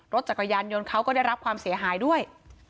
รถจักรยานยนต์เขาก็ได้รับความเสียหายด้วย